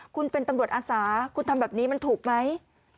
คุณเป็นตำรวจอาสาคุณทำแบบนี้มันถูกไหม